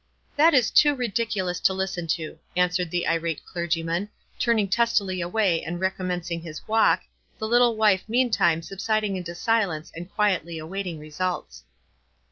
"That is too ridiculous to listen to," an swered the irate clergyman, turning testily away and recommencing his walk, the little wife meantime subsiding into silence and quietly awaiting re" Its.